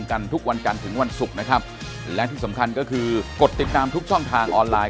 อาจารย์บริยาเป็นนักกฎหมาย